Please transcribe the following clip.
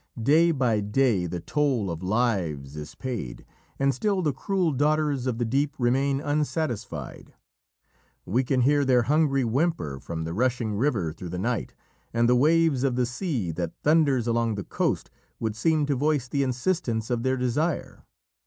Day by day the toll of lives is paid, and still the cruel daughters of the deep remain unsatisfied. We can hear their hungry whimper from the rushing river through the night, and the waves of the sea that thunders along the coast would seem to voice the insistence of their desire.